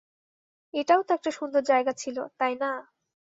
এটাও তো একটা সুন্দর জায়গা ছিলো, তাই না?